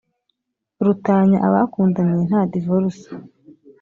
rutanya abakundanye nta divorce